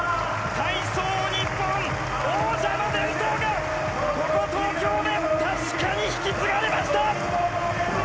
体操日本、王者の伝統がここ東京で確かに引き継がれました！